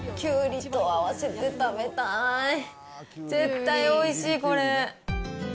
絶対おいしい、これ。